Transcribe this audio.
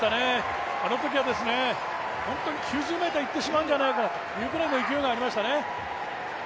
あのときは本当に９０ｍいってしまうんじゃないかというぐらいの勢いがありましたね。